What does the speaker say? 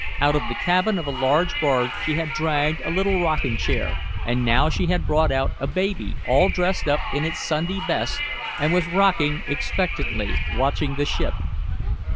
Out of the cabin of a barge she had dragged a little rocking chair, and now she had brought out a baby, all dressed up in its Sunday best, and was rocking expectantly, watching the ship.